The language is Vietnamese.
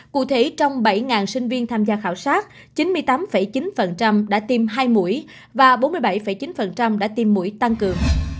cụ thể trong bảy sinh viên tham gia khảo sát chín mươi tám chín đã tiêm hai mũi và bốn mươi bảy chín đã tiêm mũi tăng cường